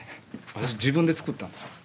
私自分で作ったんですよ。